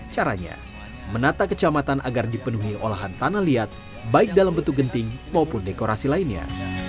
caranya menata kecamatan agar dipenuhi olahan tanah liat baik dalam bentuk genting maupun dekorasi lainnya